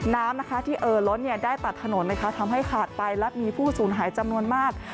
น้ำนะคะที่เอ่อล้นได้ตัดถนนนะคะทำให้ขาดไปและมีผู้สูญหายจำนวนมาก